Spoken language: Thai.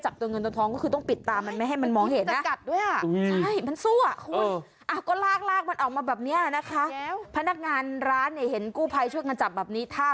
จับตัวเงินตัวท้องก็คือต้องปิดตามันไม่ให้มันมองเห็นน่ะ